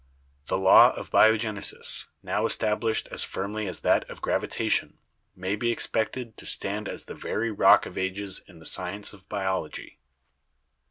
The law of bio genesis, now established as firmly as that of gravitation, may be expected to stand as the very rock of ages in the science of biology.